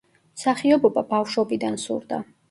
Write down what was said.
მსახიობობა ბავშვობიდან სურდა.